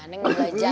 neng mau belajar